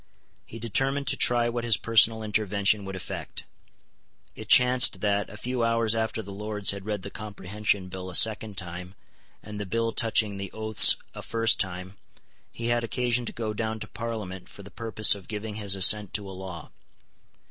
He determined to try what his personal intervention would effect. It chanced that, a few hours after the Lords had read the Comprehension Bill a second time and the Bill touching the Oaths a first time, he had occasion to go down to Parliament for the purpose of giving his assent to a law.